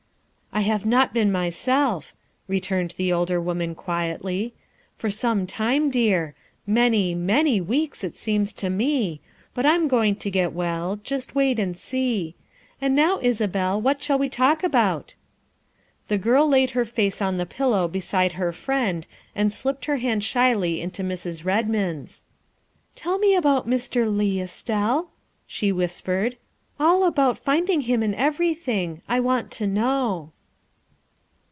''" I've not been myself," returned the older woman quietly, " for some time, dear, many many weeks it seems to me, but I'm going to get well. Just wait and see. And now, Isabel, what shall we talk about ?'' The girl laid her face on the pillow beside her friend and slipped her hand shyly into Mrs. Redmond's. " Tell me about Mr. Leigh, Estelle," she whispered, " all about finding him and everything, I want to know.